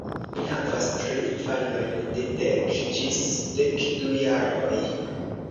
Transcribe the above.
Mi havas tri infanojn de dek ĝis dek du jaroj.